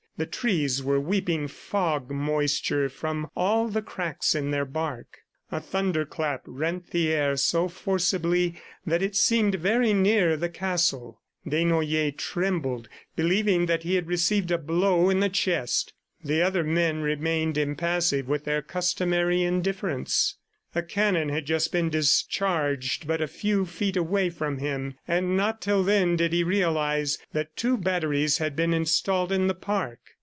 The trees were weeping fog moisture from all the cracks in their bark. A thunderclap rent the air so forcibly that it seemed very near the castle. Desnoyers trembled, believing that he had received a blow in the chest. The other men remained impassive with their customary indifference. A cannon had just been discharged but a few feet away from him, and not till then did he realize that two batteries had been installed in the park.